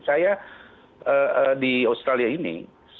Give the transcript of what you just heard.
saya di australia ini